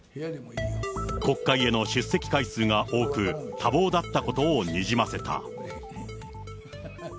国会への出席回数が多く、多忙だったことをにじませた。